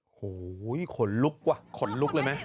โอ้โหขนลุกว่ะขนลุกเลยไหม